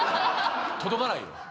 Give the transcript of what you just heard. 届かないよ。